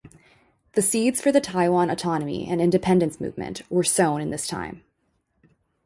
The seeds for the Taiwan autonomy and independence movement were sown in this time.